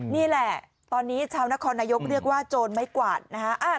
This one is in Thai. นี่แหละตอนนี้ชาวนครนายกเรียกว่าโจรไม้กวาดนะฮะ